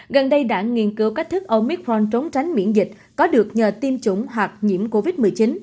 gần đây đã nghiên cứu cách thức ông micron trốn tránh miễn dịch có được nhờ tiêm chủng hoặc nhiễm covid một mươi chín